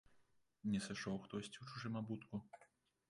Не сышоў хтосьці ў чужым абутку?